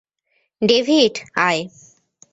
David, আয়।